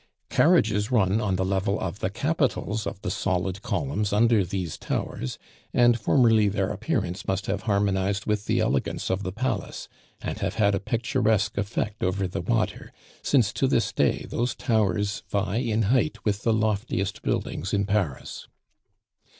Carriages run on the level of the capitals of the solid columns under these towers, and formerly their appearance must have harmonized with the elegance of the Palace, and have had a picturesque effect over the water, since to this day those towers vie in height with the loftiest buildings in Paris.